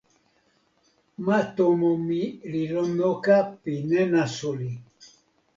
ma tomo mi li lon noka pi nena suli.